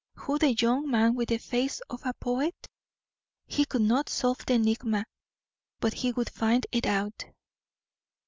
Who the young man with the face of a poet? He could not solve the enigma, but he would find it out.